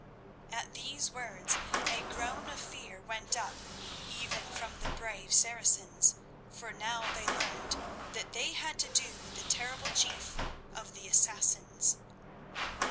At these words a groan of fear went up even from the brave Saracens, for now they learned that they had to do with the terrible chief of the Assassins.